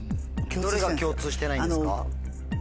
どれが共通してないんですか？